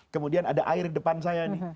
kemudian ada air di depan saya nih